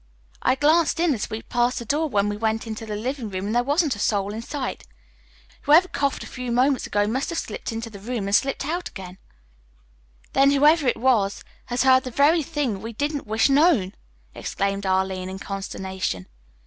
I glanced in as we passed the door when we went into the living room and there wasn't a soul in sight. Whoever coughed a few moments ago must have slipped into the room and slipped out again." "Then, whoever it is has heard the very things we didn't wish known!" exclaimed Arline in consternation.